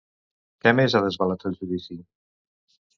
Què més ha desvelat al judici?